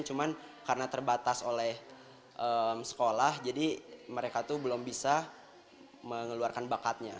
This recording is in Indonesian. cuma karena terbatas oleh sekolah jadi mereka belum bisa mengeluarkan bakatnya